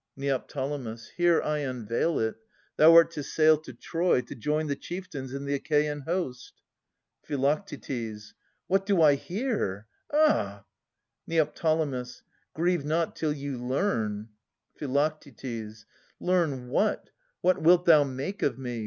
Neo. Here I unveil it. Thou art to sail to Troy, To join the chieftains and the Achaean host. Phi. What do I hear? Ah! Neo. Grieve not till you learn. Phi. Learn what ? What wilt thou make of me